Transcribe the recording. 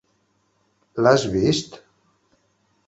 L'has vist?